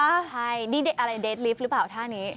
ใช่นี่อะไรเดทลิฟต์หรือเปล่าท่านี้